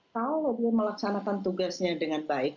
kalau dia melaksanakan tugasnya dengan baik